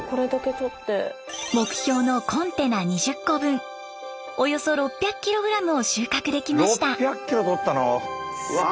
目標のコンテナ２０個分およそ６００キログラムを収穫できました。